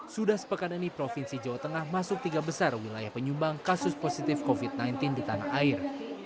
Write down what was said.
sudah sepekan ini provinsi jawa tengah masuk tiga besar wilayah penyumbang kasus positif covid sembilan belas di tanah air